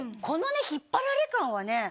このね引っ張られ感はね